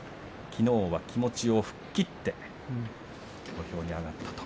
きのうは気持ちを吹っ切って土俵に上がったと。